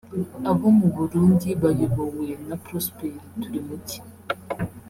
abo mu Burundi bayobowe na Prosper Turimuki